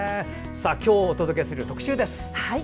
今日お届けする特集です。